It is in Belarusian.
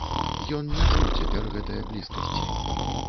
Ён не чуў цяпер гэтае блізкасці.